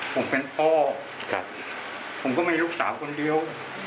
ผมเป็นพ่อผมก็ไม่ได้ลูกสาวคนเดียว